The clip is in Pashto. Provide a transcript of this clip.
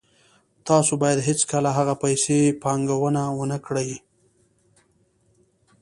تاسو باید هیڅکله هغه پیسې پانګونه ونه کړئ